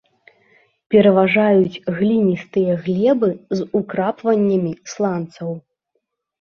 Пераважаюць гліністыя глебы з украпваннямі сланцаў.